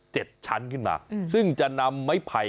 เจ็ดชั้นขึ้นมาซึ่งจะนำไม้ไผ่